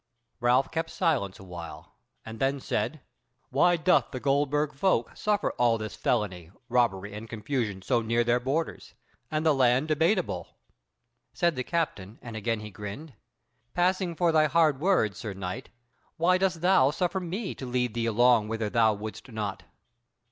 Ralph kept silence and while and then said: "Why doth the Goldburg folk suffer all this felony, robbery and confusion, so near their borders, and the land debateable?" Said the captain, and again he grinned: "Passing for thy hard words, sir knight, why dost thou suffer me to lead thee along whither thou wouldest not?"